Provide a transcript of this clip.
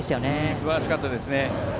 すばらしかったですね。